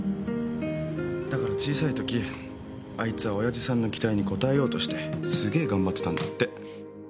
だから小さいときあいつは親父さんの期待に応えようとしてすげえ頑張ってたんだって。